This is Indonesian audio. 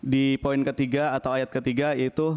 di poin ketiga atau ayat ketiga itu